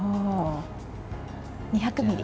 ２００ミリ。